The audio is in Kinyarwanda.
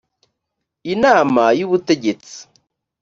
inama y ubutegetsi